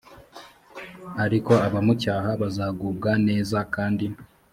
ariko abamucyaha bazagubwa neza kandi